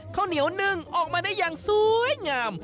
ข้าวเหนียวนึ่งออกมาได้อย่างสวยงาม